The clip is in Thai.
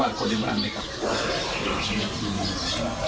เป็นพี่เป็นน้องกันโตมาด้วยกันตั้งแต่แล้ว